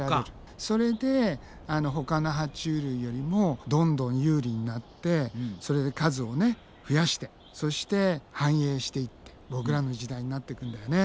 それでほかのは虫類よりもどんどん有利になってそれで数を増やしてそして繁栄していってボクらの時代になっていくんだよね。